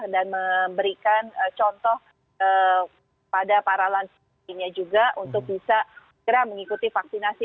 dan memberikan contoh pada para lansianya juga untuk bisa mengikuti vaksinasi